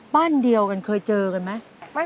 บ้านเดียวกันเคยเจอกันไหม